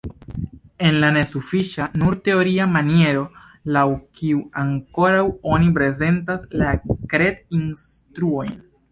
El la nesufiĉa, nur teoria maniero, laŭ kiu ankoraŭ oni prezentas la kred-instruojn!